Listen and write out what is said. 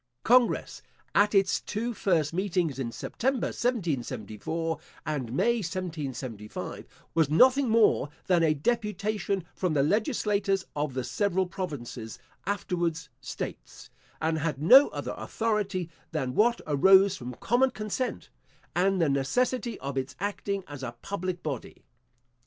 Congress, at its two first meetings, in September 1774, and May 1775, was nothing more than a deputation from the legislatures of the several provinces, afterwards states; and had no other authority than what arose from common consent, and the necessity of its acting as a public body.